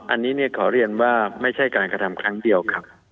อันนี้ขอเรียนว่าไม่ใช่การกระทำครั้งเดียวครับ